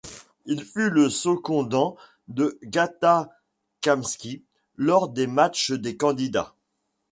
Il fut le secondant de Gata Kamsky lors des matchs des candidats.